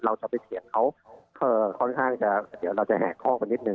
เราจะไปเถียงเขาค่อนข้างจะเดี๋ยวเราจะแหกข้อกันนิดนึ